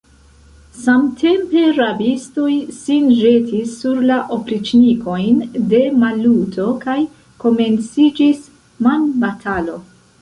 Samtempe rabistoj, sin ĵetis sur la opriĉnikojn de Maluto, kaj komenciĝis manbatalo!